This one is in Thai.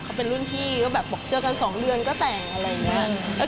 เขาเป็นรุ่นพี่ก็แบบบอกเจอกัน๒เดือนก็แต่งอะไรอย่างนี้